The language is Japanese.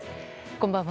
こんばんは。